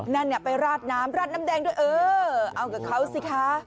นั่นไปราดน้ำราดน้ำแดงด้วยเออเอากับเขาสิคะ